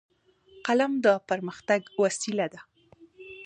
قلم د پرمختګ وسیله ده